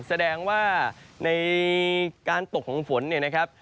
แสดงว่าในการตกของฝนเนี่ยนะครับ